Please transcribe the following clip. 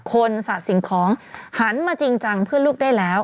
สะสิ่งของหันมาจริงจังเพื่อลูกได้แล้ว